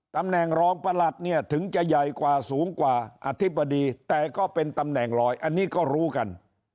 ตำแหน่งรองประหลัดเนี่ยถึงจะใหญ่กว่าสูงกว่าอธิบดีแต่ก็เป็นตำแหน่งลอยอันนี้ก็รู้กัน